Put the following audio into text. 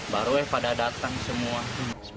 baru pada datang semua